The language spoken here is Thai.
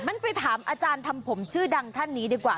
ไปถามอาจารย์ทำผมชื่อดังท่านนี้ดีกว่า